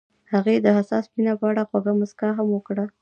هغې د حساس مینه په اړه خوږه موسکا هم وکړه.